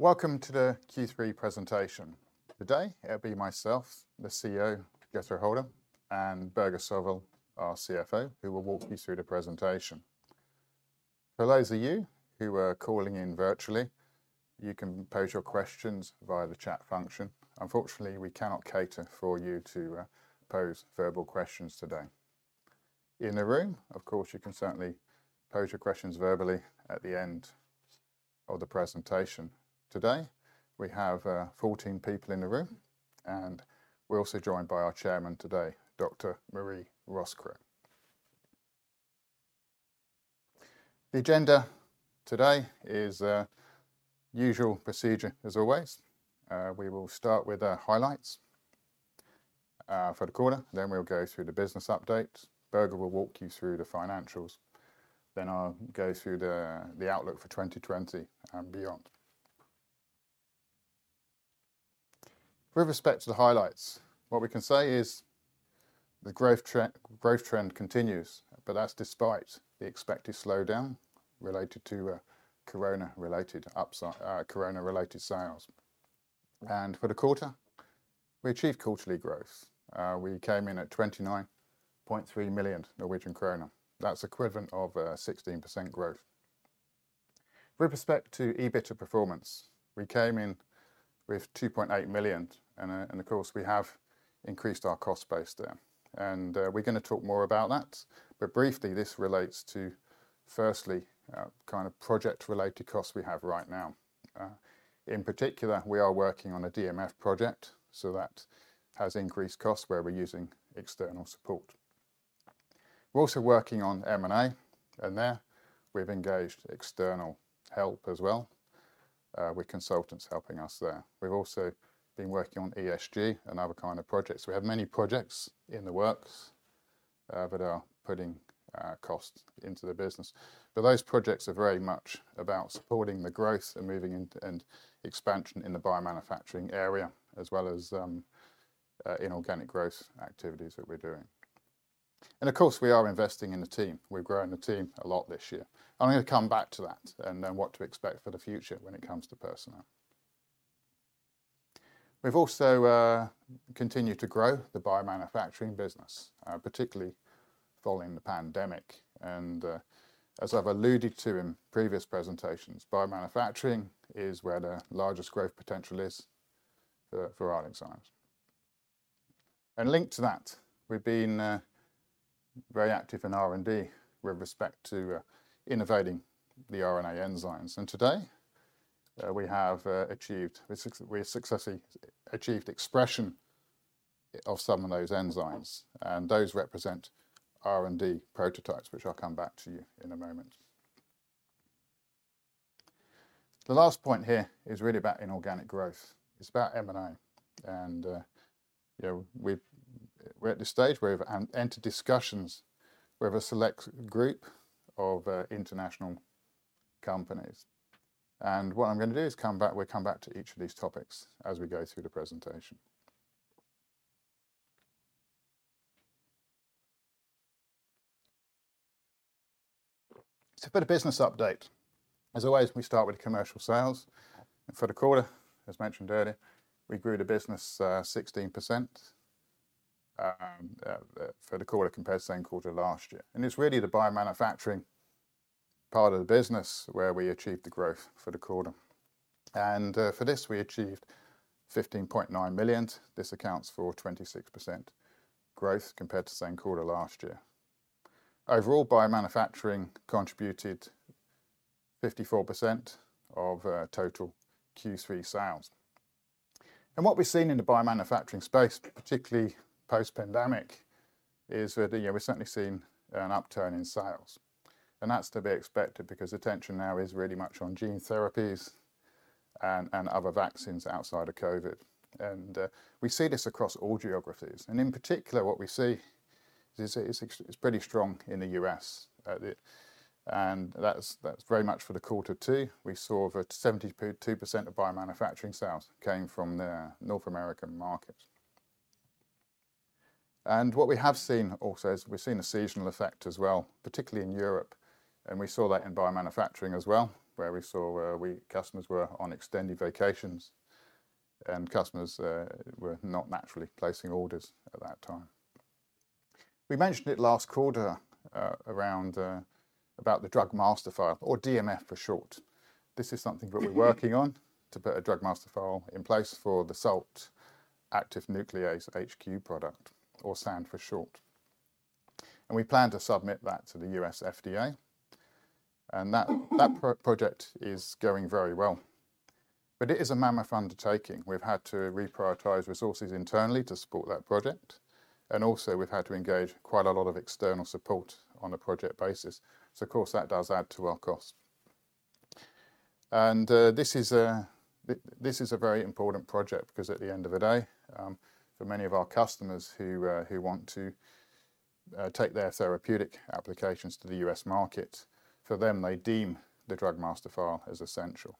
Welcome to the Q3 presentation. Today, it'll be myself, the CEO, Jethro Holter, and Børge Sørvoll, our CFO, who will walk you through the presentation. For those of you who are calling in virtually, you can pose your questions via the chat function. Unfortunately, we cannot cater for you to pose verbal questions today. In the room, of course, you can certainly pose your questions verbally at the end of the presentation. Today, we have 14 people in the room, and we're also joined by our Chairman today, Dr. Marie Roskrow. The agenda today is usual procedure as always. We will start with the highlights for the quarter, then we'll go through the business update. Børger will walk you through the financials. I'll go through the outlook for 2020 and beyond. With respect to the highlights, what we can say is the growth trend continues, but that's despite the expected slowdown related to corona-related sales. For the quarter, we achieved quarterly growth. We came in at 29.3 million Norwegian kroner. That's equivalent of 16% growth. With respect to EBITDA performance, we came in with 2.8 million and of course, we have increased our cost base there. We're gonna talk more about that, but briefly, this relates to firstly kind of project-related costs we have right now. In particular, we are working on a DMF project, so that has increased costs where we're using external support. We're also working on M&A, and there we've engaged external help as well with consultants helping us there. We've also been working on ESG and other kind of projects. We have many projects in the works that are putting costs into the business. Those projects are very much about supporting the growth and moving into and expansion in the biomanufacturing area as well as inorganic growth activities that we're doing. Of course, we are investing in the team. We're growing the team a lot this year. I'm gonna come back to that and then what to expect for the future when it comes to personnel. We've also continued to grow the biomanufacturing business particularly following the pandemic and as I've alluded to in previous presentations, biomanufacturing is where the largest growth potential is for ArcticZymes. Linked to that, we've been very active in R&D with respect to innovating the RNA enzymes. Today, we successfully achieved expression of some of those enzymes, and those represent R&D prototypes, which I'll come back to you in a moment. The last point here is really about inorganic growth. It's about M&A, and, you know, we're at the stage where we've entered discussions with a select group of international companies. What I'm gonna do is come back, we'll come back to each of these topics as we go through the presentation. For the business update, as always, we start with commercial sales. For the quarter, as mentioned earlier, we grew the business 16% for the quarter compared to the same quarter last year. It's really the biomanufacturing part of the business where we achieved the growth for the quarter. For this, we achieved 15.9 million. This accounts for 26% growth compared to the same quarter last year. Overall, biomanufacturing contributed 54% of total Q3 sales. What we've seen in the biomanufacturing space, particularly post-pandemic, is that, you know, we're certainly seeing an upturn in sales. That's to be expected because the attention now is really much on gene therapies and other vaccines outside of COVID. We see this across all geographies. In particular, what we see is it's pretty strong in the U.S. That's very much for quarter two. We saw that 72% of biomanufacturing sales came from the North American market. What we have seen also is we've seen a seasonal effect as well, particularly in Europe. We saw that in biomanufacturing as well, where we saw customers were on extended vacations and customers were not naturally placing orders at that time. We mentioned it last quarter around about the Drug Master File or DMF for short. This is something that we're working on to put a Drug Master File in place for the Salt Active Nuclease HQ product, or SAN for short. We plan to submit that to the U.S. FDA, and that project is going very well. But it is a mammoth undertaking. We've had to reprioritize resources internally to support that project, and also we've had to engage quite a lot of external support on a project basis. Of course, that does add to our cost. This is a very important project because at the end of the day, for many of our customers who want to take their therapeutic applications to the U.S. market, for them, they deem the Drug Master File as essential.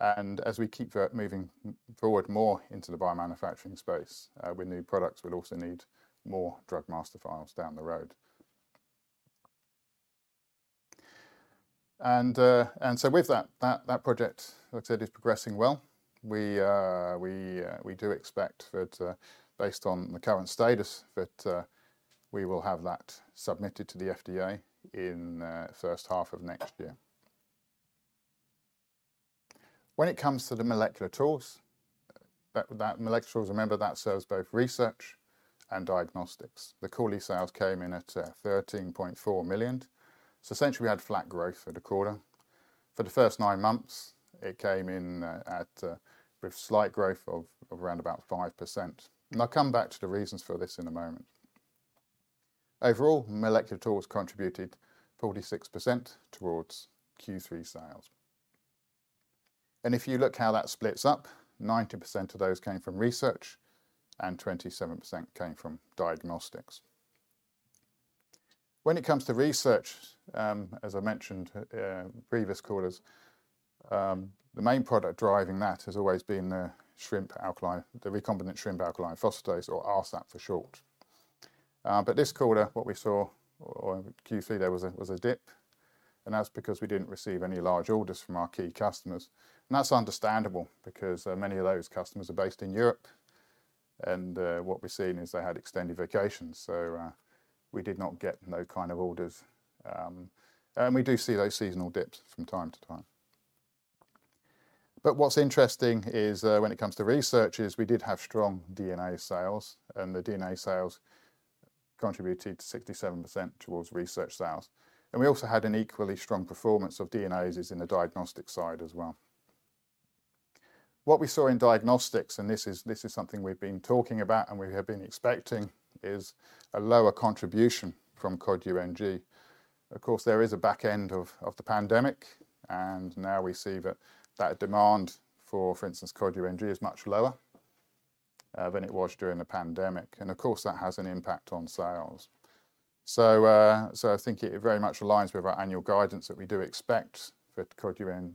As we keep that moving forward more into the biomanufacturing space, with new products, we'll also need more Drug Master Files down the road. With that project, like I said, is progressing well. We do expect that, based on the current status, that we will have that submitted to the FDA in first half of next year. When it comes to the molecular tools, remember, that serves both research and diagnostics. The quarterly sales came in at 13.4 million. Essentially, we had flat growth for the quarter. For the first nine months, it came in at with slight growth of around about 5%. I'll come back to the reasons for this in a moment. Overall, molecular tools contributed 46% towards Q3 sales. If you look how that splits up, 90% of those came from research and 27% came from diagnostics. When it comes to research, as I mentioned in previous quarters, the main product driving that has always been the Shrimp Alkaline Phosphatase, the recombinant Shrimp Alkaline Phosphatase or rSAP for short. This quarter, what we saw in Q3, there was a dip, and that's because we didn't receive any large orders from our key customers. That's understandable because, many of those customers are based in Europe and, what we're seeing is they had extended vacations. We did not get those kind of orders. We do see those seasonal dips from time to time. What's interesting is, when it comes to research is we did have strong DNA sales, and the DNA sales contributed 67% towards research sales. We also had an equally strong performance of DNases in the diagnostic side as well. What we saw in diagnostics, this is something we've been talking about and we have been expecting, is a lower contribution from Cod UNG. Of course, there is a back end of the pandemic, and now we see that demand for instance, Cod UNG is much lower, than it was during the pandemic. Of course, that has an impact on sales. I think it very much aligns with our annual guidance that we do expect for Cod UNG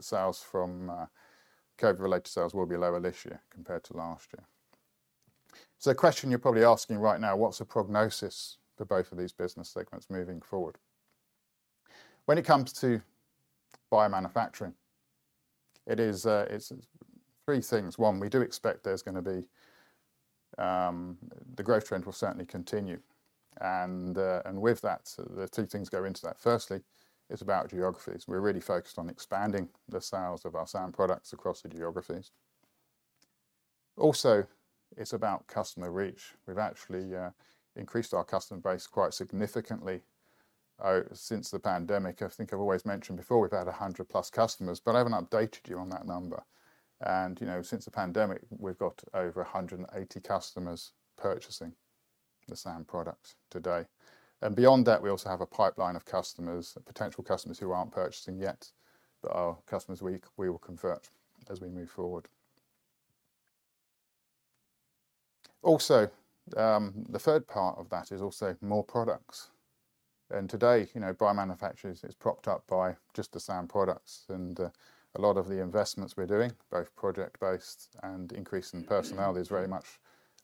sales from COVID-related sales will be lower this year compared to last year. The question you're probably asking right now, what's the prognosis for both of these business segments moving forward? When it comes to biomanufacturing, it is three things. One, we do expect the growth trend will certainly continue. With that, the two things go into that. Firstly, it's about geographies. We're really focused on expanding the sales of our SAN products across the geographies. Also, it's about customer reach. We've actually increased our customer base quite significantly since the pandemic. I think I've always mentioned before we've had 100+ customers, but I haven't updated you on that number. You know, since the pandemic, we've got over 180 customers purchasing the SAN products today. Beyond that, we also have a pipeline of customers, potential customers who aren't purchasing yet, but are customers we will convert as we move forward. Also, the third part of that is also more products. Today, you know, biomanufacturing is propped up by just the SAN products and a lot of the investments we're doing, both project-based and increase in personnel, is very much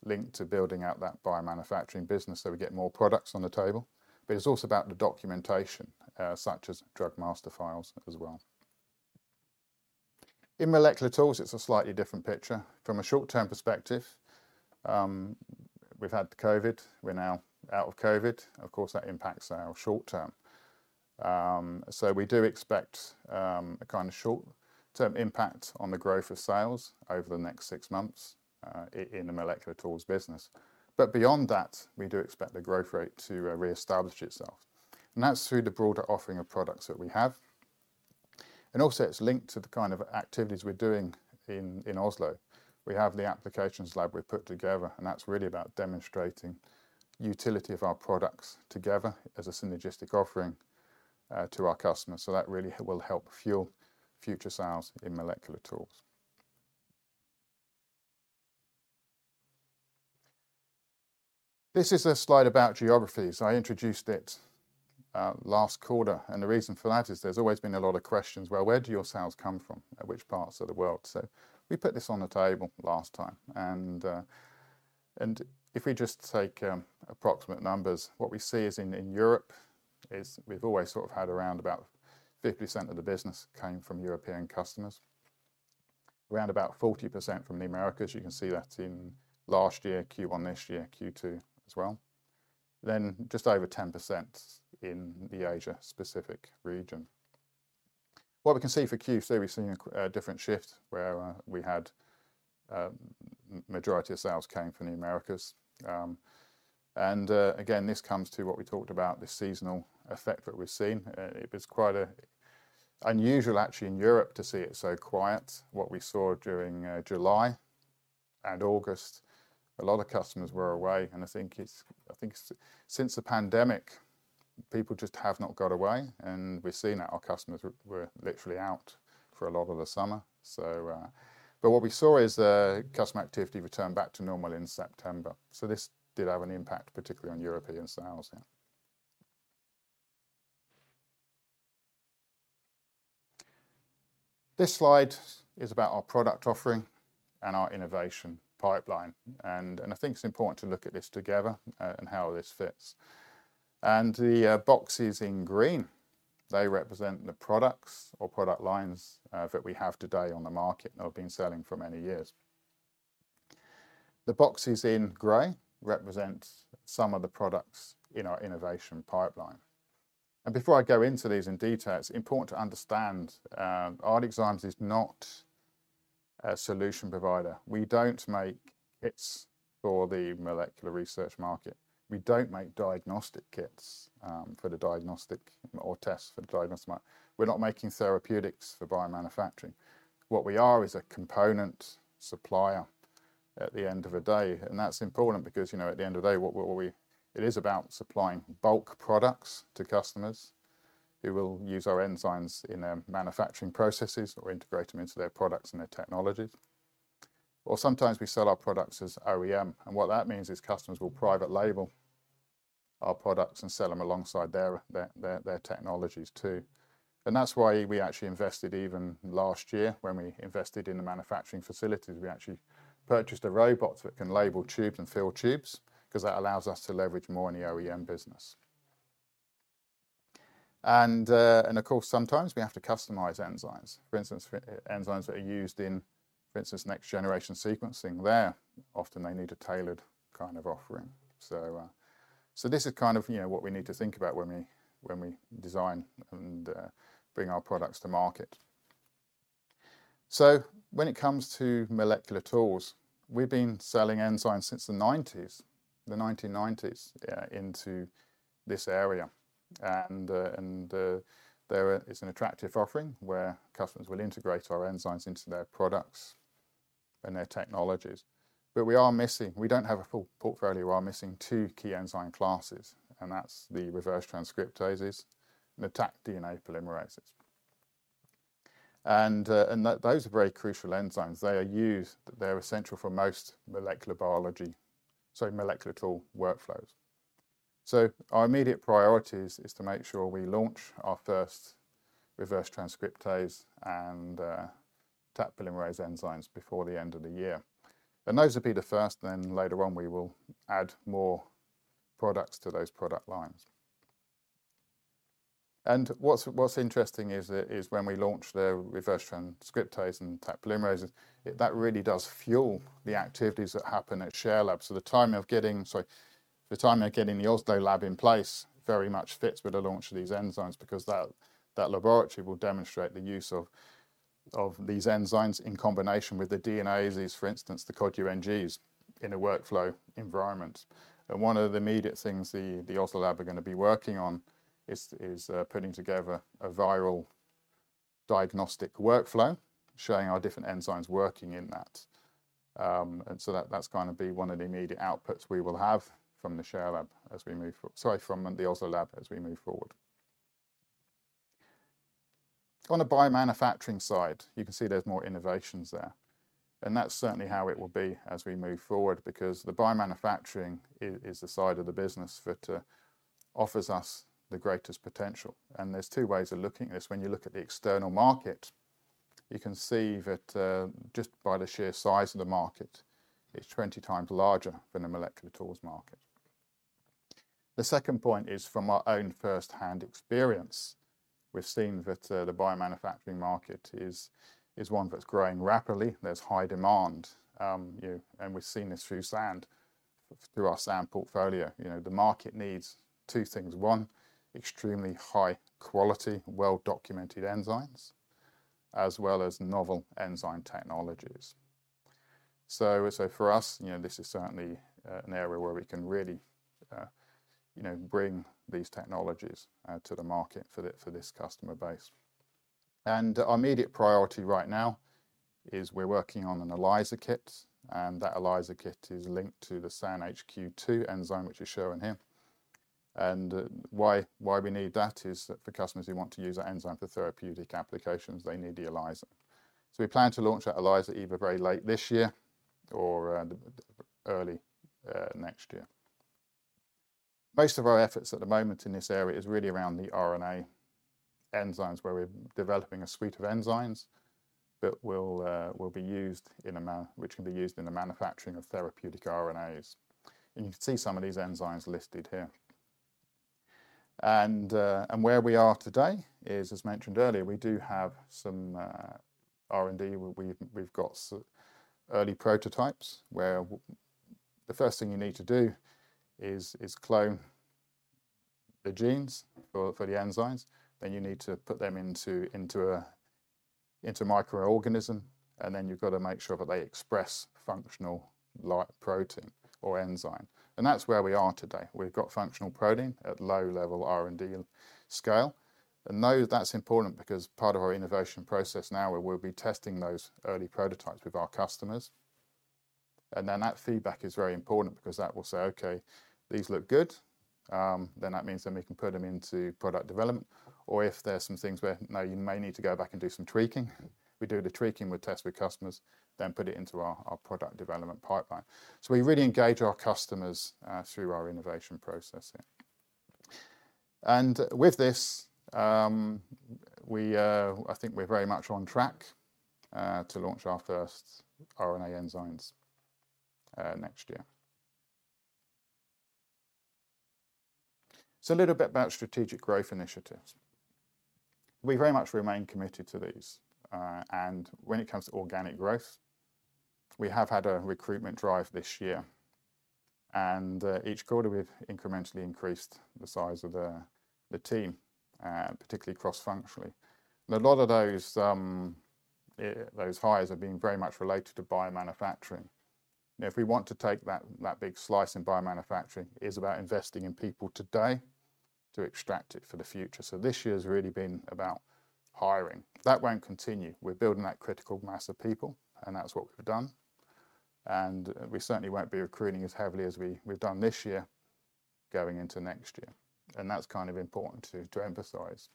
linked to building out that biomanufacturing business, so we get more products on the table. But it's also about the documentation, such as Drug Master Files as well. In molecular tools, it's a slightly different picture. From a short-term perspective, we've had the COVID, we're now out of COVID. Of course, that impacts our short term. We do expect a kind of short-term impact on the growth of sales over the next six months in the molecular tools business. Beyond that, we do expect the growth rate to reestablish itself. That's through the broader offering of products that we have. Also it's linked to the kind of activities we're doing in Oslo. We have the applications lab we've put together, and that's really about demonstrating utility of our products together as a synergistic offering to our customers. That really will help fuel future sales in molecular tools. This is a slide about geographies. I introduced it last quarter, and the reason for that is there's always been a lot of questions, "Well, where do your sales come from? Which parts of the world?" We put this on the table last time and if we just take approximate numbers, what we see is in Europe we've always sort of had around about 50% of the business came from European customers. Around about 40% from the Americas. You can see that in last year, Q1 this year, Q2 as well. Then just over 10% in the Asia-Pacific region. What we can see for Q3, we've seen a different shift where we had majority of sales came from the Americas. Again, this comes to what we talked about, the seasonal effect that we've seen. It was quite unusual actually in Europe to see it so quiet. What we saw during July and August, a lot of customers were away. I think since the pandemic, people just have not got away, and we've seen that our customers were literally out for a lot of the summer. What we saw is customer activity returned back to normal in September, so this did have an impact, particularly on European sales, yeah. This slide is about our product offering and our innovation pipeline, and I think it's important to look at this together and how this fits. The boxes in green, they represent the products or product lines that we have today on the market that have been selling for many years. The boxes in gray represent some of the products in our innovation pipeline. Before I go into these in detail, it's important to understand, ArcticZymes is not a solution provider. We don't make kits for the molecular research market. We don't make diagnostic kits, for the diagnostic or tests for the diagnostic market. We're not making therapeutics for biomanufacturing. What we are is a component supplier at the end of the day, and that's important because, you know, at the end of the day, what it is about supplying bulk products to customers who will use our enzymes in their manufacturing processes or integrate them into their products and their technologies. Or sometimes we sell our products as OEM, and what that means is customers will private label our products and sell them alongside their technologies too. That's why we actually invested even last year when we invested in the manufacturing facilities. We actually purchased a robot that can label tubes and fill tubes 'cause that allows us to leverage more in the OEM business. Of course, sometimes we have to customize enzymes. For instance, for enzymes that are used in, for instance, next-generation sequencing, there often they need a tailored kind of offering. This is kind of, you know, what we need to think about when we design and bring our products to market. When it comes to molecular tools, we've been selling enzymes since the 1990s into this area. There it's an attractive offering where customers will integrate our enzymes into their products and their technologies. We are missing. We don't have a full portfolio. We are missing two key enzyme classes, and that's the reverse transcriptases and the Taq DNA polymerases. Those are very crucial enzymes. They are used. They're essential for most molecular tool workflows. Our immediate priorities is to make sure we launch our first reverse transcriptase and Taq polymerase enzymes before the end of the year. Those will be the first. Later on, we will add more products to those product lines. What's interesting is that when we launch the reverse transcriptase and Taq polymerases, that really does fuel the activities that happen at SHARE Lab. The timing of getting the Oslo lab in place very much fits with the launch of these enzymes because that laboratory will demonstrate the use of these enzymes in combination with the DNases, for instance, the Cod UNGs in a workflow environment. One of the immediate things the Oslo lab are gonna be working on is putting together a viral diagnostic workflow, showing our different enzymes working in that. That’s gonna be one of the immediate outputs we will have from the Oslo lab as we move forward. On the biomanufacturing side, you can see there's more innovations there, and that's certainly how it will be as we move forward because the biomanufacturing is the side of the business that offers us the greatest potential. There are two ways of looking at this. When you look at the external market, you can see that, just by the sheer size of the market, it's 20 times larger than the molecular tools market. The second point is from our own firsthand experience. We've seen that, the biomanufacturing market is one that's growing rapidly. There's high demand, and we've seen this through SAN, through our SAN portfolio. You know, the market needs two things. One, extremely high-quality, well-documented enzymes, as well as novel enzyme technologies. So for us, you know, this is certainly an area where we can really bring these technologies to the market for this customer base. Our immediate priority right now is we're working on an ELISA kit, and that ELISA kit is linked to the SAN HQ 2.0 enzyme, which is shown here. Why we need that is that for customers who want to use that enzyme for therapeutic applications, they need the ELISA. We plan to launch that ELISA either very late this year or early next year. Most of our efforts at the moment in this area is really around the RNA enzymes, where we're developing a suite of enzymes that will be used in a man-- which can be used in the manufacturing of therapeutic RNAs. You can see some of these enzymes listed here. And where we are today is, as mentioned earlier, we do have some R&D where we've got early prototypes where the first thing you need to do is clone the genes for the enzymes. You need to put them into a microorganism, and then you've got to make sure that they express functional protein or enzyme. That's where we are today. We've got functional protein at low-level R&D scale. Now that's important because part of our innovation process now where we'll be testing those early prototypes with our customers, and then that feedback is very important because that will say, "Okay, these look good." Then that means we can put them into product development. Or if there's some things where no, you may need to go back and do some tweaking, we do the tweaking, we test with customers, then put it into our product development pipeline. We really engage our customers through our innovation process here. With this, we, I think we're very much on track to launch our first RNA enzymes next year. A little bit about strategic growth initiatives. We very much remain committed to these. When it comes to organic growth, we have had a recruitment drive this year. Each quarter we've incrementally increased the size of the team particularly cross-functionally. A lot of those hires have been very much related to biomanufacturing. If we want to take that big slice in biomanufacturing, it is about investing in people today to extract it for the future. This year's really been about hiring. That won't continue. We're building that critical mass of people, and that's what we've done. We certainly won't be recruiting as heavily as we've done this year going into next year, and that's kind of important to emphasize.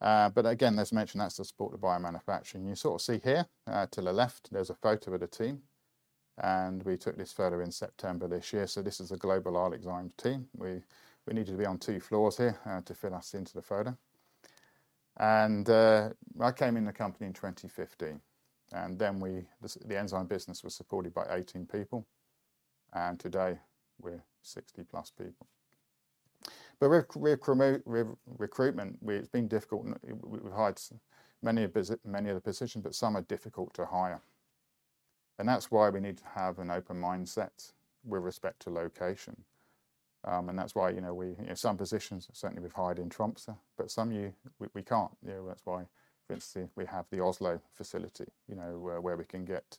Again, as mentioned, that's to support the biomanufacturing. You sort of see here, to the left, there's a photo of the team, and we took this photo in September this year. This is the global ArcticZymes team. We needed to be on two floors here to fit us into the photo. I came in the company in 2015, and then the enzyme business was supported by 18 people, and today we're 60+ people. Recruitment, it's been difficult. We've hired many of the positions, but some are difficult to hire. That's why we need to have an open mindset with respect to location. That's why, you know, we, you know, some positions certainly we've hired in Tromsø, but some we can't. You know, that's why for instance we have the Oslo facility, you know, where we can get.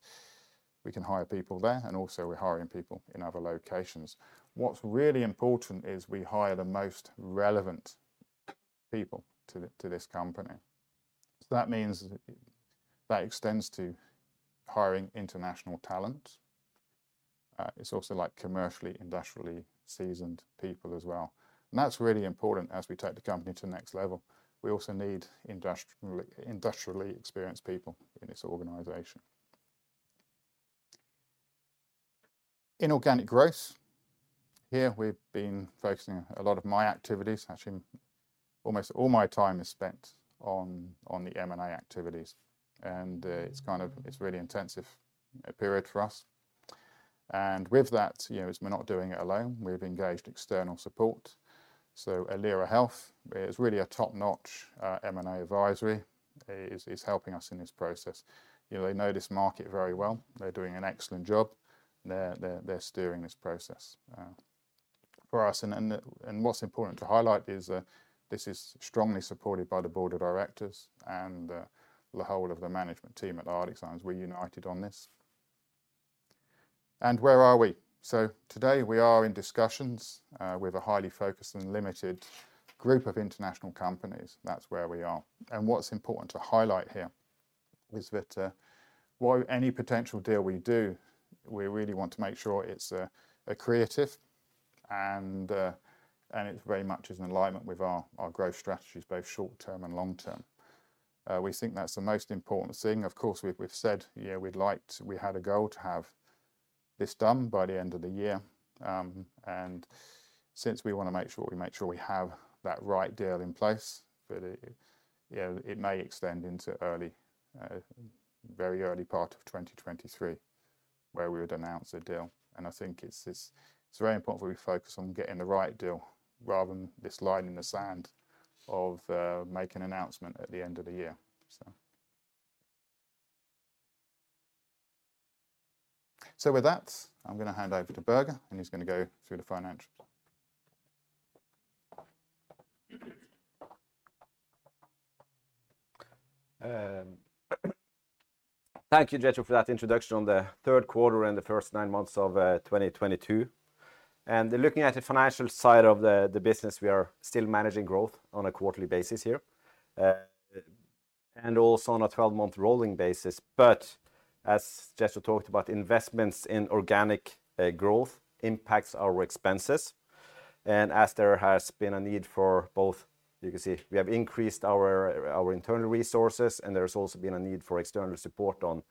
We can hire people there, and also we're hiring people in other locations. What's really important is we hire the most relevant people to this company. So that means that extends to hiring international talent. It's also like commercially, industrially seasoned people as well. That's really important as we take the company to the next level. We also need industrially experienced people in this organization. Inorganic growth. Here we've been focusing a lot of my activities. Actually, almost all my time is spent on the M&A activities, and it's really intensive period for us. With that, you know, we're not doing it alone. We've engaged external support. Alira Health is really a top-notch M&A advisory is helping us in this process. You know, they know this market very well. They're doing an excellent job. They're steering this process for us. What's important to highlight is that this is strongly supported by the board of directors and the whole of the management team at ArcticZymes. We're united on this. Where are we? Today we are in discussions with a highly focused and limited group of international companies. That's where we are. What's important to highlight here is that why any potential deal we do, we really want to make sure it's creative and it very much is in alignment with our growth strategies, both short-term and long-term. We think that's the most important thing. Of course, we've said, you know, we had a goal to have this done by the end of the year. Since we wanna make sure we have that right deal in place, but it, you know, it may extend into very early part of 2023 where we would announce a deal. I think it's very important where we focus on getting the right deal rather than this line in the sand of make an announcement at the end of the year. With that, I'm gonna hand over to Børge, and he's gonna go through the financials. Thank you, Jethro, for that introduction on the third quarter and the first nine months of 2022. Looking at the financial side of the business, we are still managing growth on a quarterly basis here, and also on a 12-month rolling basis. As Jethro talked about, investments in organic growth impacts our expenses. As there has been a need for both, you can see we have increased our internal resources and there's also been a need for external support on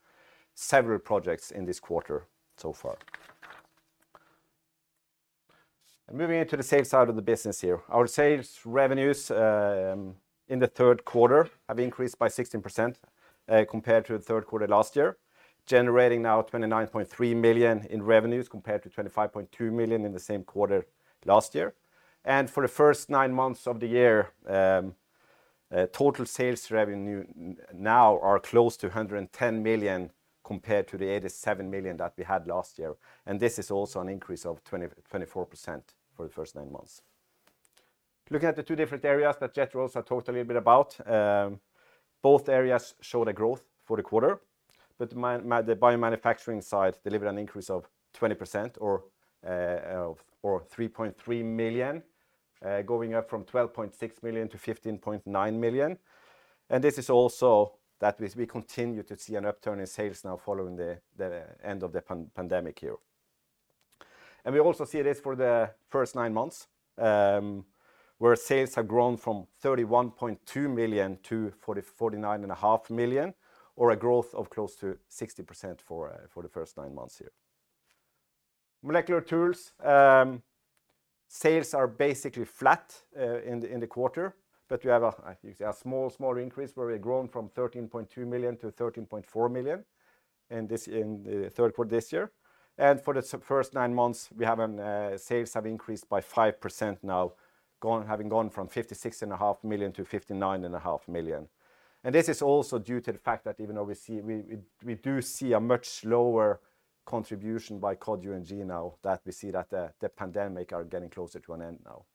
several projects in this quarter so far. Moving into the sales side of the business here. Our sales revenues in the third quarter have increased by 16% compared to the third quarter last year, generating now 29.3 million in revenues compared to 25.2 million in the same quarter last year. For the first nine months of the year, total sales revenue now are close to 110 million compared to the 87 million that we had last year, and this is also an increase of 24% for the first nine months. Looking at the two different areas that Jethro also talked a little bit about, both areas show the growth for the quarter, but the biomanufacturing side delivered an increase of 20% or 3.3 million, going up from 12.6 million to 15.9 million. This is also that we continue to see an upturn in sales now following the end of the pandemic year. We also see this for the first nine months, where sales have grown from 31.2 million to 49.5 million, or a growth of close to 60% for the first nine months here. Molecular tools sales are basically flat in the quarter, but we have, you can say, a small increase where we've grown from 13.2 million to 13.4 million in the third quarter this year. For the first nine months, we have sales have increased by 5% now, having gone from 56.5 million to 59.5 million. This is also due to the fact that even though we do see a much slower contribution by Cod UNG and Gene now that we see that the pandemic are getting closer to an end now.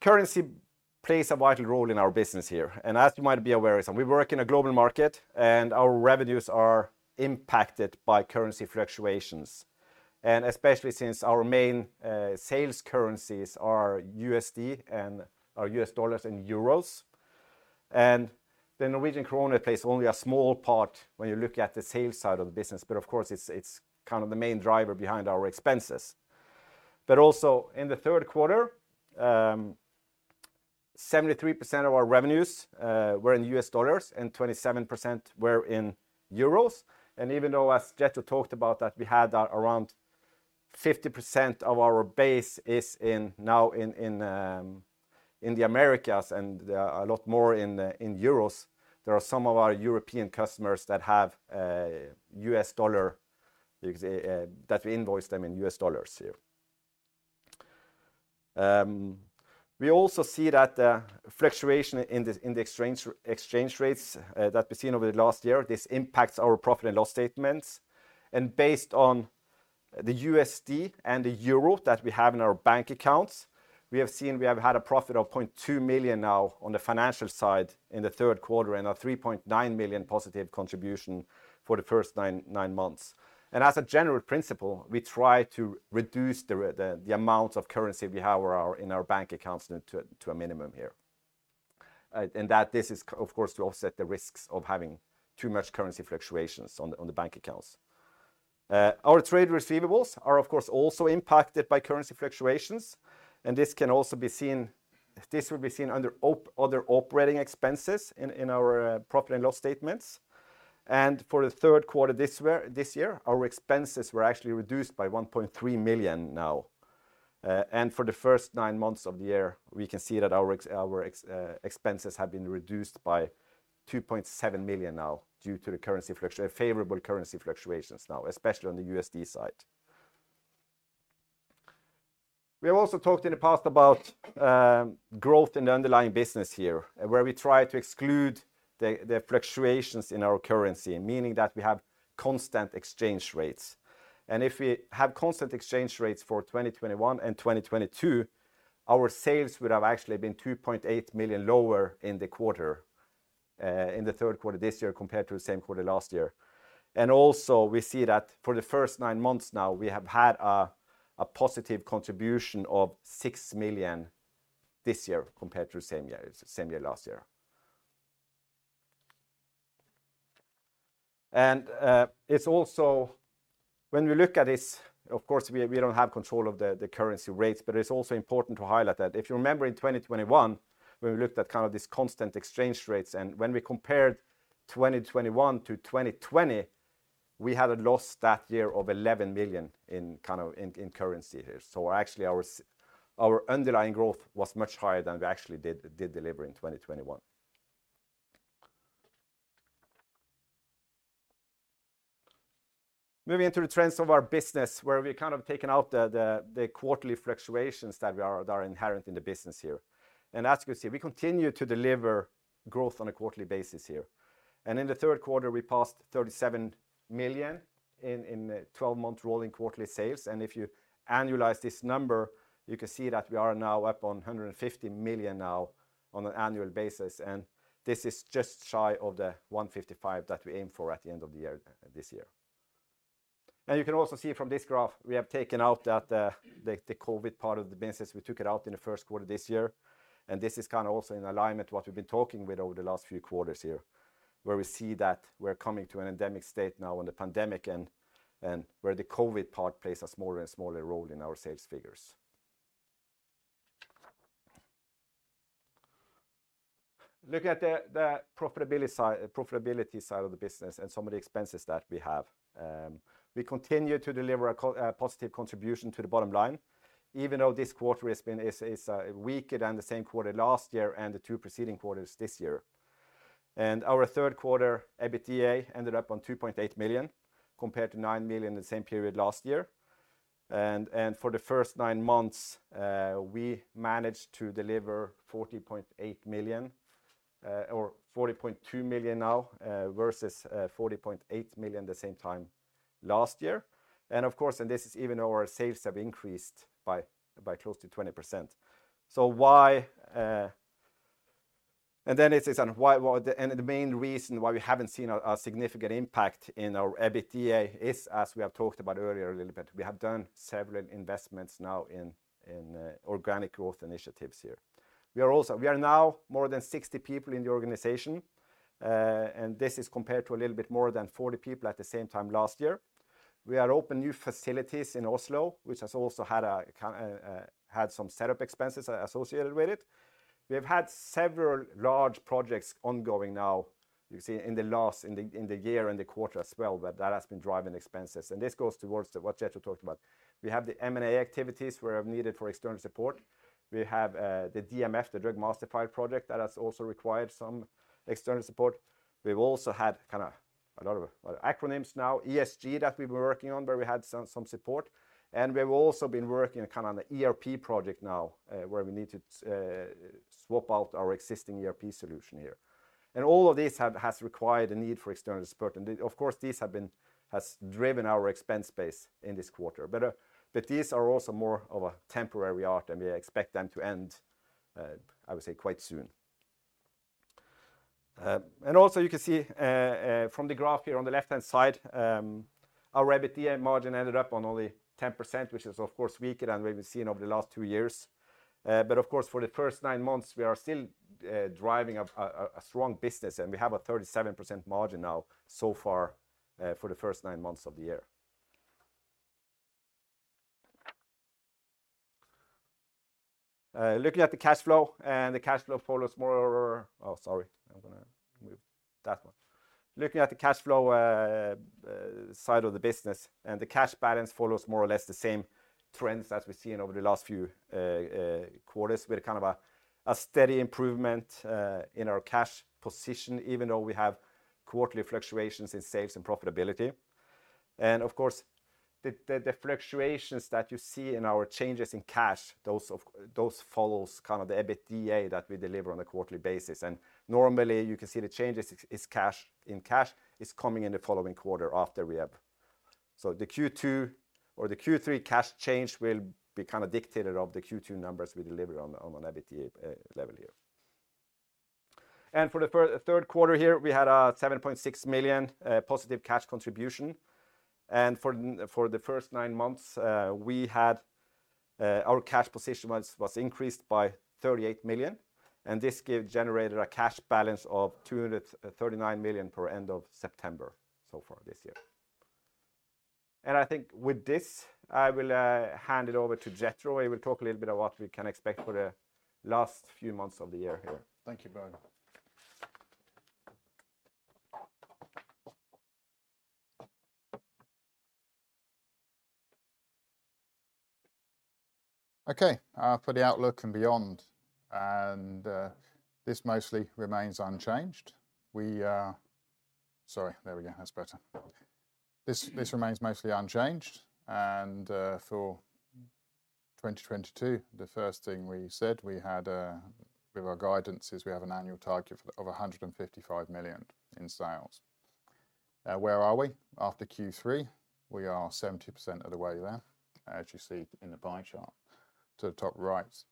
Currency plays a vital role in our business here, and as you might be aware, so we work in a global market, and our revenues are impacted by currency fluctuations. Especially since our main sales currencies are USD and US dollars and euros. The Norwegian kroner plays only a small part when you look at the sales side of the business, but of course, it's kind of the main driver behind our expenses. Also in the third quarter, 73% of our revenues were in US dollars and 27% were in euros. Even though, as Jethro Holter talked about, that we had around 50% of our base is now in the Americas and a lot more in euros. There are some of our European customers that have a U.S. dollar that we invoice them in U.S. dollars here. We also see that the fluctuation in the exchange rates that we've seen over the last year, this impacts our profit and loss statements. Based on the U.S. dollar and the euro that we have in our bank accounts, we have had a profit of 0.2 million now on the financial side in the third quarter and a 3.9 million positive contribution for the first nine months. As a general principle, we try to reduce the amount of currency we have in our bank accounts to a minimum here. That this is of course to offset the risks of having too much currency fluctuations on the bank accounts. Our trade receivables are of course also impacted by currency fluctuations, and this will be seen under other operating expenses in our profit and loss statements. For the third quarter this year, our expenses were actually reduced by 1.3 million now. For the first nine months of the year, we can see that our expenses have been reduced by 2.7 million now due to the favorable currency fluctuations now, especially on the USD side. We have also talked in the past about growth in the underlying business here, where we try to exclude the fluctuations in our currency, meaning that we have constant exchange rates. If we have constant exchange rates for 2021 and 2022, our sales would have actually been 2.8 million lower in the third quarter this year compared to the same quarter last year. We see that for the first nine months now, we have had a positive contribution of 6 million this year compared to the same year last year. It's also when we look at this, of course, we don't have control of the currency rates, but it's also important to highlight that if you remember in 2021, when we looked at kind of these constant exchange rates, and when we compared 2021 to 2020, we had a loss that year of 11 million in kind of currency here. So actually, our underlying growth was much higher than we actually did deliver in 2021. Moving into the trends of our business, where we've kind of taken out the quarterly fluctuations that are inherent in the business here. As you can see, we continue to deliver growth on a quarterly basis here. In the third quarter, we passed 37 million in twelve-month rolling quarterly sales. If you annualize this number, you can see that we are now up to 150 million now on an annual basis. This is just shy of the 155 that we aim for at the end of the year, this year. You can also see from this graph, we have taken out that, the COVID part of the business. We took it out in the first quarter this year, and this is kind of also in alignment with what we've been talking with over the last few quarters here, where we see that we're coming to an endemic state now in the pandemic and where the COVID part plays a smaller and smaller role in our sales figures. Look at the profitability side of the business and some of the expenses that we have. We continue to deliver a positive contribution to the bottom line, even though this quarter is weaker than the same quarter last year and the two preceding quarters this year. Our third quarter EBITDA ended up on 2.8 million compared to 9 million the same period last year. For the first nine months, we managed to deliver 40.8 million, or 40.2 million now, versus 40.8 million the same time last year. Of course, this is even though our sales have increased by close to 20%. Why. The main reason why we haven't seen a significant impact in our EBITDA is, as we have talked about earlier a little bit, we have done several investments now in organic growth initiatives here. We are now more than 60 people in the organization, and this is compared to a little bit more than 40 people at the same time last year. We opened new facilities in Oslo, which has also had some set-up expenses associated with it. We have had several large projects ongoing now in the year and the quarter as well, but that has been driving expenses. This goes towards what Jethro talked about. We have the M&A activities where we've needed external support. We have the DMF, the Drug Master File project, that has also required some external support. We've also had kind of a lot of, well, acronyms now, ESG, that we've been working on, where we had some support. We've also been working kind of on the ERP project now, where we need to swap out our existing ERP solution here. All of these has required a need for external support. Of course, these has driven our expense base in this quarter. These are also more of a temporary nature, and we expect them to end, I would say quite soon. You can see from the graph here on the left-hand side, our EBITDA margin ended up on only 10%, which is of course weaker than we've been seeing over the last two years. For the first nine months, we are still driving a strong business, and we have a 37% margin now so far for the first nine months of the year. Looking at the cash flow, and the cash flow follows more. Oh, sorry. I'm gonna move that one. Looking at the cash flow side of the business and the cash balance follows more or less the same trends as we've seen over the last few quarters, with kind of a steady improvement in our cash position, even though we have quarterly fluctuations in sales and profitability. Of course, the fluctuations that you see in our changes in cash, those follow kind of the EBITDA that we deliver on a quarterly basis. Normally, you can see the changes in cash is coming in the following quarter after we have. The Q2 or the Q3 cash change will be kind of dictated by the Q2 numbers we deliver on an EBITDA level here. For the third quarter here, we had a 7.6 million positive cash contribution. For the first nine months, our cash position was increased by 38 million, and this generated a cash balance of 239 million at the end of September so far this year. I think with this, I will hand it over to Jethro, where he will talk a little bit about what we can expect for the last few months of the year here. Thank you, Børge. Okay, for the outlook and beyond, this mostly remains unchanged. This remains mostly unchanged, for 2022, the first thing we said, we had, with our guidance, is we have an annual target of 155 million in sales. Where are we after Q3? We are 70% of the way there, as you see in the pie chart to the top right.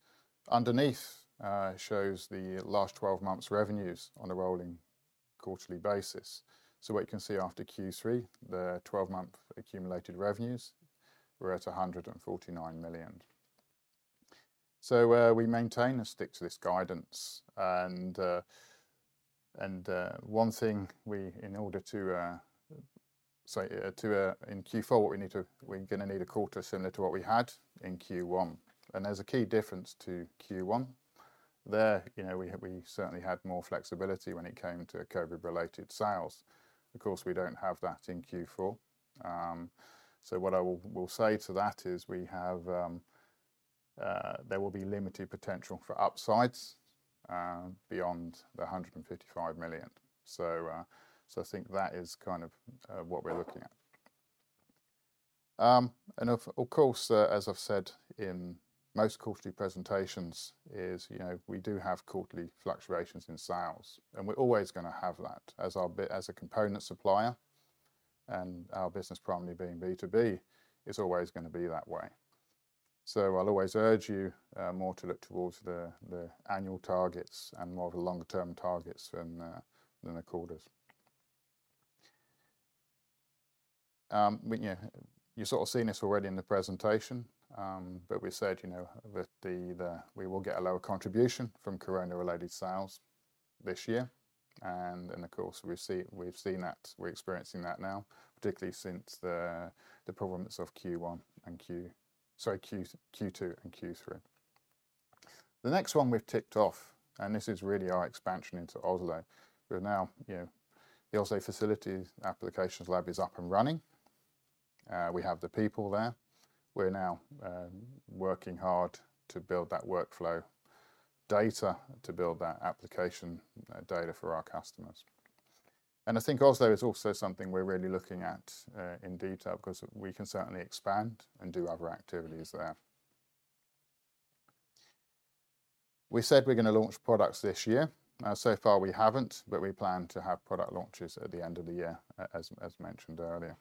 Underneath shows the last 12 months revenues on a rolling quarterly basis. What you can see after Q3, the 12-month accumulated revenues were at 149 million. We maintain and stick to this guidance. One thing is, in Q4, we're gonna need a quarter similar to what we had in Q1. There's a key difference to Q1. You know, we certainly had more flexibility when it came to COVID-related sales. Of course, we don't have that in Q4. What I will say to that is there will be limited potential for upsides beyond 155 million. I think that is kind of what we're looking at. Of course, as I've said in most quarterly presentations, you know, we do have quarterly fluctuations in sales, and we're always gonna have that. As a component supplier and our business primarily being B2B, it's always gonna be that way. I'll always urge you more to look towards the annual targets and more of the longer-term targets than the quarters. You've sort of seen this already in the presentation, but we said, you know, with the we will get a lower contribution from corona-related sales this year. Of course, we've seen that. We're experiencing that now, particularly since the performance of Q1 and, sorry, Q2 and Q3. The next one we've ticked off, and this is really our expansion into Oslo, where now, you know, the Oslo Facilities Applications Lab is up and running. We have the people there. We're now working hard to build that workflow data, to build that application data for our customers. I think Oslo is also something we're really looking at in detail because we can certainly expand and do other activities there. We said we're gonna launch products this year. So far we haven't, but we plan to have product launches at the end of the year as mentioned earlier.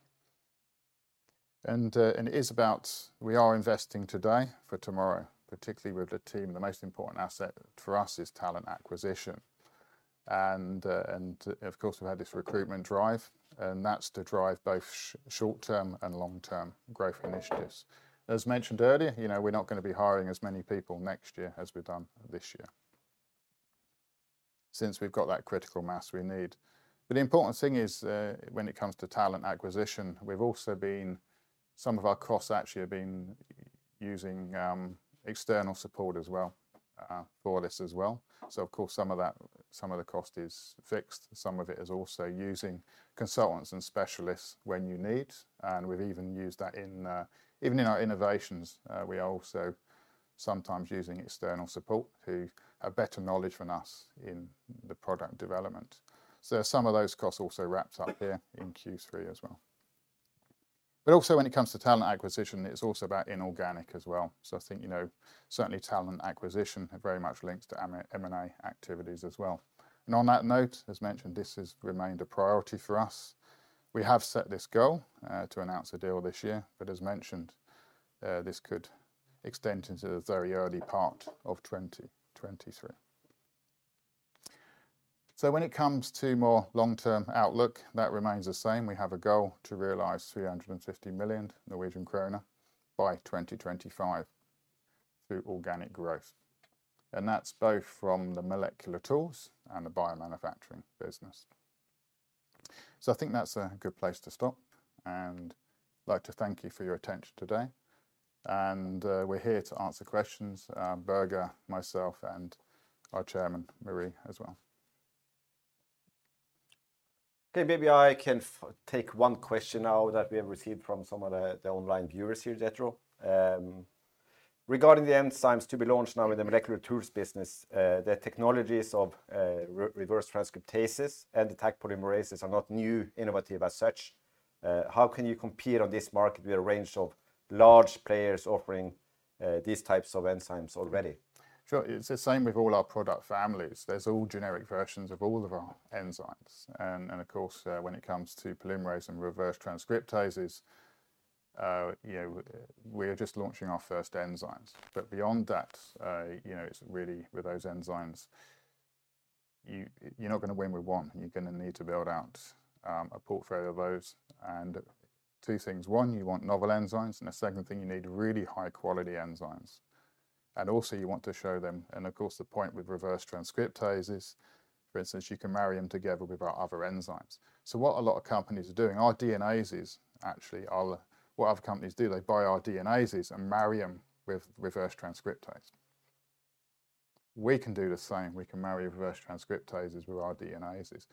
It is about we are investing today for tomorrow, particularly with the team. The most important asset for us is talent acquisition. Of course, we've had this recruitment drive, and that's to drive both short-term and long-term growth initiatives. As mentioned earlier, you know, we're not gonna be hiring as many people next year as we've done this year. Since we've got that critical mass we need. The important thing is, when it comes to talent acquisition, some of our costs actually have been using external support as well for this as well. Of course, some of that, some of the cost is fixed, some of it is also using consultants and specialists when you need, and we've even used that in even in our innovations. We are also sometimes using external support who have better knowledge than us in the product development. Some of those costs also wrapped up here in Q3 as well. Also when it comes to talent acquisition, it's also about inorganic as well. I think, you know, certainly talent acquisition are very much linked to M&A activities as well. On that note, as mentioned, this has remained a priority for us. We have set this goal to announce a deal this year, but as mentioned, this could extend into the very early part of 2023. When it comes to more long-term outlook, that remains the same. We have a goal to realize 350 million Norwegian kroner by 2025 through organic growth. That's both from the molecular tools and the biomanufacturing business. I think that's a good place to stop, and I'd like to thank you for your attention today. We're here to answer questions, Børge, myself, and our Chairman, Marie, as well. Okay. Maybe I can take one question now that we have received from some of the online viewers here, Jethro. Regarding the enzymes to be launched now in the molecular tools business, the technologies of reverse transcriptases and Taq polymerases are not new innovative as such. How can you compete on this market with a range of large players offering these types of enzymes already? Sure. It's the same with all our product families. There's all generic versions of all of our enzymes. Of course, when it comes to polymerase and reverse transcriptases, you know, we're just launching our first enzymes. Beyond that, it's really with those enzymes, you're not gonna win with one. You're gonna need to build out a portfolio of those. Two things, one, you want novel enzymes, and the second thing, you need really high-quality enzymes. Also you want to show them, and of course the point with reverse transcriptases, for instance, you can marry them together with our other enzymes. What a lot of companies are doing, our DNases actually are what other companies do. They buy our DNases and marry them with reverse transcriptase. We can do the same. We can marry reverse transcriptases with our DNases.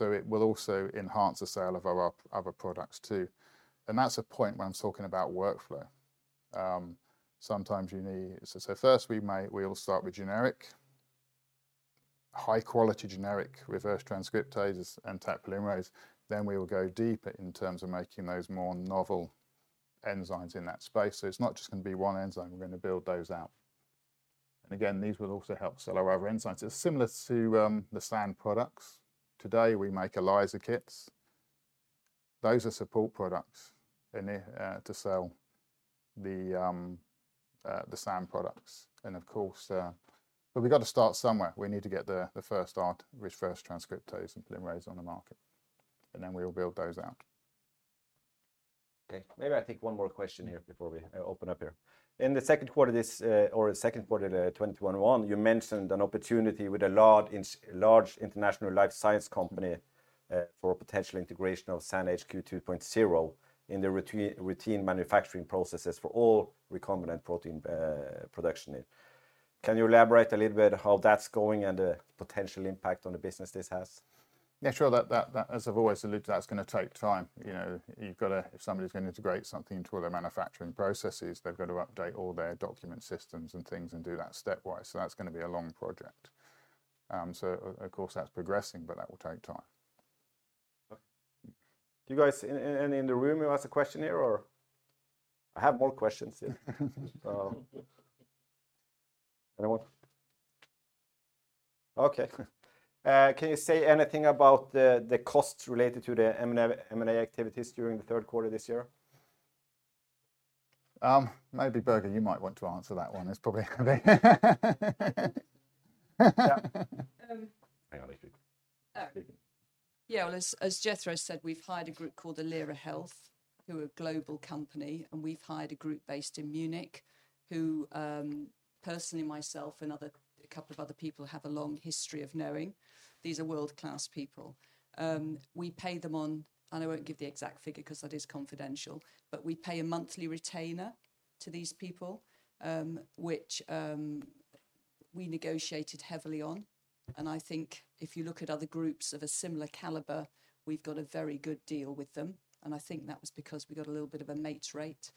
It will also enhance the sale of our other products too. That's a point when I'm talking about workflow. Sometimes you need first we'll start with generic, high-quality generic reverse transcriptases and Taq polymerase. We will go deeper in terms of making those more novel enzymes in that space. It's not just gonna be one enzyme, we're gonna build those out. Again, these will also help sell our other enzymes. It's similar to the SAN products. Today, we make ELISA kits. Those are support products intended to sell the SAN products and of course. We've got to start somewhere. We need to get the first reverse transcriptase and polymerase on the market, and then we'll build those out. Okay. Maybe I take one more question here before we open up here. In the second quarter 2021, you mentioned an opportunity with a large international life science company for a potential integration of SAN HQ 2.0 in the routine manufacturing processes for all recombinant protein production need. Can you elaborate a little bit how that's going and the potential impact on the business this has? Yeah, sure. That, as I've always alluded to, that's gonna take time. You know, you've gotta. If somebody's gonna integrate something into all their manufacturing processes, they've got to update all their document systems and things and do that stepwise. That's gonna be a long project. Of course that's progressing, but that will take time. Do you guys, any in the room who has a question here or? I have more questions here. Anyone? Okay. Can you say anything about the costs related to the M&A activities during the third quarter this year? Maybe Børge, you might want to answer that one. It's probably gonna be Yeah. Um. Hang on. Oh. Speak up. Yeah. Well, as Jethro said, we've hired a group called Alira Health, who are a global company, and we've hired a group based in Munich who, personally, myself and other, a couple of other people have a long history of knowing. These are world-class people. We pay them on, and I won't give the exact figure 'cause that is confidential, but we pay a monthly retainer to these people, which we negotiated heavily on. I think if you look at other groups of a similar caliber, we've got a very good deal with them, and I think that was because we got a little bit of a mate's rate.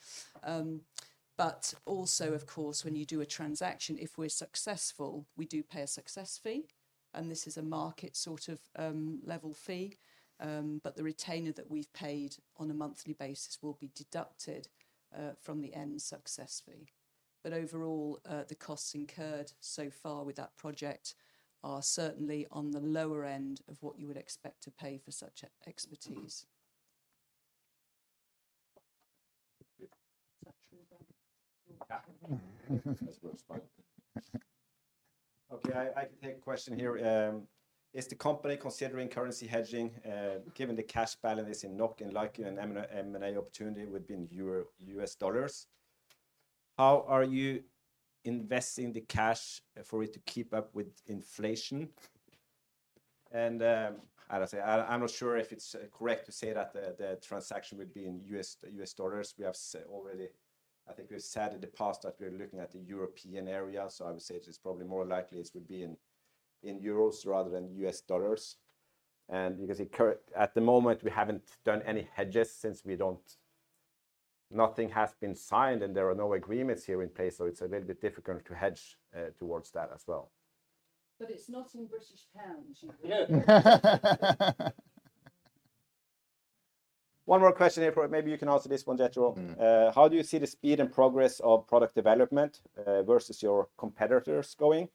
But also, of course, when you do a transaction, if we're successful, we do pay a success fee, and this is a market sort of level fee. The retainer that we've paid on a monthly basis will be deducted from the end success fee. Overall, the costs incurred so far with that project are certainly on the lower end of what you would expect to pay for such expertise. Is that true then? Yeah. That works fine. Okay. I can take a question here. Is the company considering currency hedging, given the cash balance is in NOK, and likely an M&A opportunity would be in euros or US dollars? How are you investing the cash for it to keep up with inflation? And how do I say? I'm not sure if it's correct to say that the transaction would be in US dollars. We have said already. I think we've said in the past that we're looking at the European area. I would say it is probably more likely it would be in euros rather than US dollars. Because at the moment, we haven't done any hedges since we don't. Nothing has been signed, and there are no agreements here in place, so it's a little bit difficult to hedge towards that as well. It's not in British pounds, you know. One more question here. Maybe you can answer this one, Jethro. Mm. How do you see the speed and progress of product development, versus your competitors going?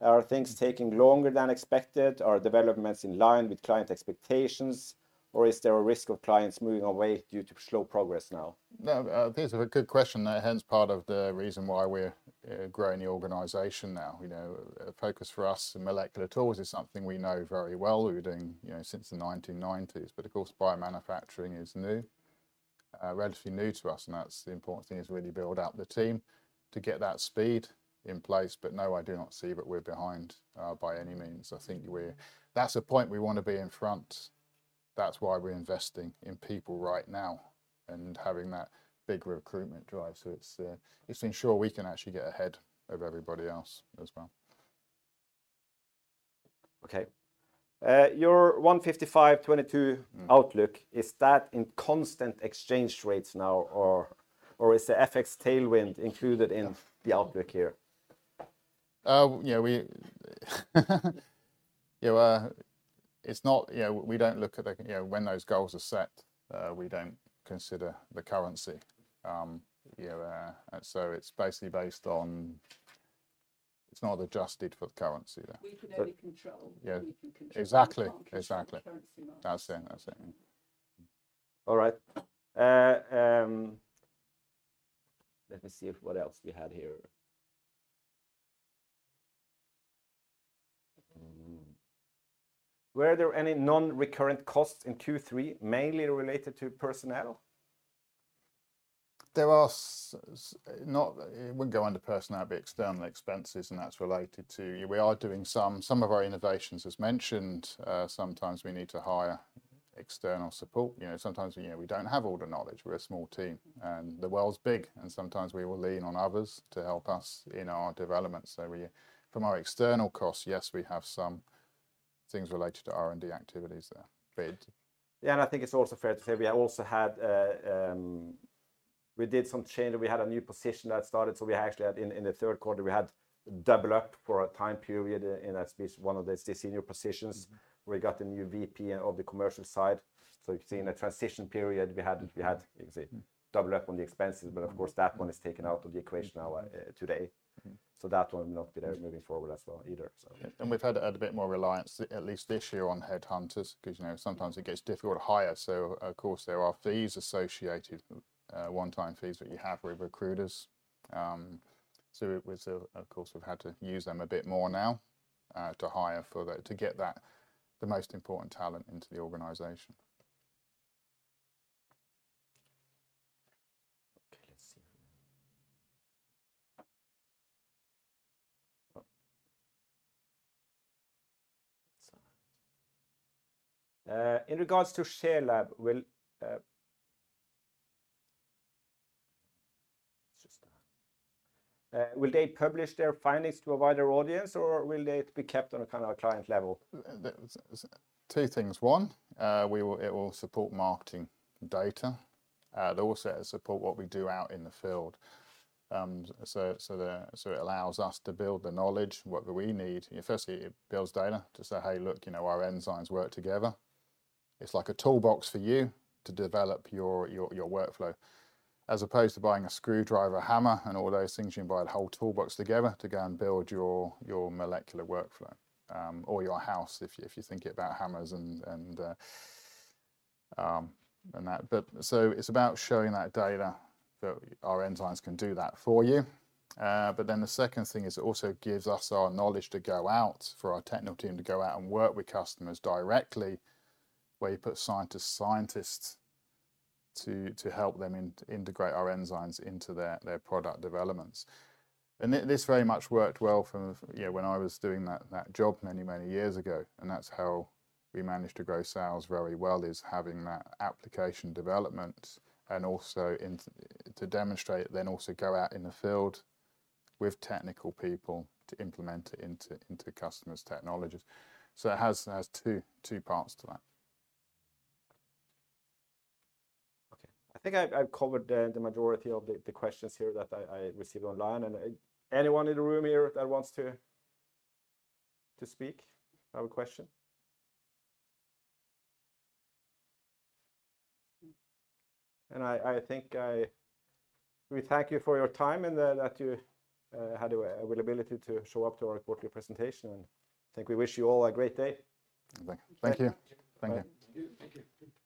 Are things taking longer than expected? Are developments in line with client expectations, or is there a risk of clients moving away due to slow progress now? No, that's a good question. That's the part of the reason why we're growing the organization now. You know, focus for us in molecular tools is something we know very well. We've been doing, you know, since the 1990s. Of course, biomanufacturing is new, relatively new to us, and that's the important thing is really to build out the team to get that speed in place. No, I do not see that we're behind by any means. I think that's a point we want to be in front. That's why we're investing in people right now and having that big recruitment drive. It's to ensure we can actually get ahead of everybody else as well. Okay. Your 155-22 outlook, is that in constant exchange rates now or is the FX tailwind included in the outlook here? Yeah. You know, we don't look at, like, you know, when those goals are set, we don't consider the currency. Yeah, it's not adjusted for the currency though. We can only control- Yeah. We can control. Exactly. Currency markets. That's it. That's it. All right. Let me see if what else we had here. Were there any non-recurrent costs in Q3, mainly related to personnel? It wouldn't go under personnel, but external expenses, and that's related to. We are doing some of our innovations, as mentioned. Sometimes we need to hire external support. You know, sometimes, you know, we don't have all the knowledge. We're a small team, and the world's big, and sometimes we will lean on others to help us in our development. So, from our external costs, yes, we have some things related to R&D activities, paid. Yeah. I think it's also fair to say we have also had. We did some change. We had a new position that started. We actually had in the third quarter, we had double up for a time period in as with one of the senior positions. We got a new VP of the commercial side. You can see in the transition period, we had double up on the expenses, but of course, that one is taken out of the equation now, today. That one not there moving forward as well either. Yeah. We've had a bit more reliance, at least this year, on headhunters because you know, sometimes it gets difficult to hire. Of course, there are fees associated, one-time fees that you have with recruiters. Of course, we've had to use them a bit more now, to get that, the most important talent into the organization. Okay. Let's see. In regards to SHARE Lab, will they publish their findings to a wider audience, or will they be kept on a kind of client level? Two things. One, it will support marketing data. It also support what we do out in the field. It allows us to build the knowledge, what we need. Firstly, it builds data to say, "Hey, look, you know, our enzymes work together." It's like a toolbox for you to develop your workflow. As opposed to buying a screwdriver, hammer and all those things, you can buy the whole toolbox together to go and build your molecular workflow, or your house if you think about hammers and that. It's about showing that data that our enzymes can do that for you. The second thing is it also gives us our knowledge to go out for our technical team to go out and work with customers directly, where you put scientists to help them integrate our enzymes into their product developments. This very much worked well from, you know, when I was doing that job many years ago. That's how we managed to grow sales very well is having that application development and also to demonstrate, then also go out in the field with technical people to implement it into customers' technologies. It has two parts to that. Okay. I think I've covered the majority of the questions here that I received online. Anyone in the room here that wants to speak? Have a question? We thank you for your time and that you had availability to show up to our quarterly presentation. I think we wish you all a great day. Thank you. Thank you. Thank you. Thank you. Thank you.